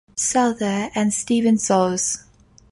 Souther and Steven Soles.